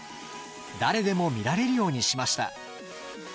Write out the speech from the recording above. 誰でも見られるようにしました。